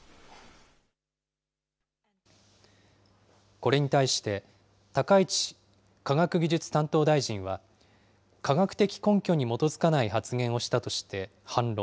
これに対して、高市科学技術担当大臣は、科学的根拠に基づかない発言をしたとして反論。